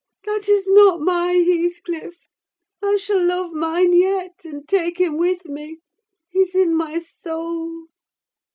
That is not my Heathcliff. I shall love mine yet; and take him with me: he's in my soul.